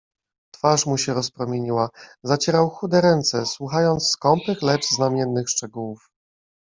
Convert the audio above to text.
"Twarz mu się rozpromieniła; zacierał chude ręce, słuchając skąpych lecz znamiennych szczegółów."